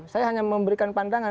saya hanya memberikan pandangan